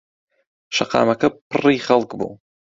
شەقاکەمە پڕی خەڵک بوو.